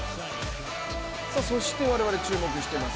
そして我々、注目しています